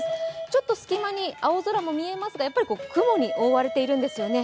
ちょっと隙間に青空も見えますが雲に覆われているんですよね。